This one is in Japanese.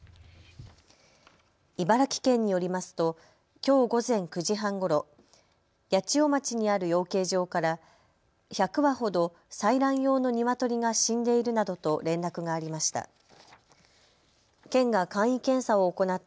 茨城県によりますときょう午前９時半ごろ、八千代町にある養鶏場から１００羽ほど採卵用のニワトリが死んでいるなどと連絡がありました。